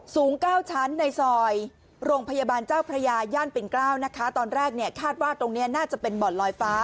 สูงเก้าชั้นในซอยโรงพยาบาลเจ้าพระยาย่านปิ่นเกล้านะคะตอนแรกเนี่ยคาดว่าตรงนี้น่าจะเป็นบ่อนลอยฟ้า